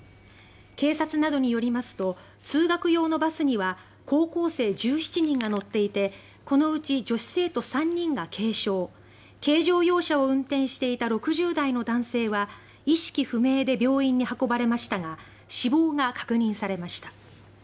警察などによりますと通学用のバスには高校生１７人が乗っていてこのうち女子生徒３人が軽傷軽乗用車を運転していた６０代の男性は意識不明で病院に運ばれましたが死亡が確認されました。